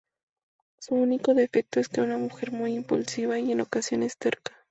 Su único defecto es que es una mujer muy impulsiva y en ocasiones terca.